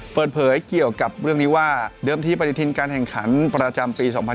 เปิดเผยเกี่ยวกับเรื่องนี้ว่าเดิมที่ปฏิทินการแข่งขันประจำปี๒๕๖